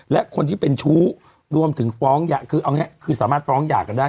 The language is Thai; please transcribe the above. และคนที่เป็นชู้รวมถึงฟ้องหย่าคือเอาง่ายคือสามารถฟ้องหย่ากันได้